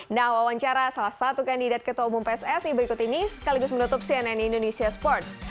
nah wawancara salah satu kandidat ketua umum pssi berikut ini sekaligus menutup cnn indonesia sports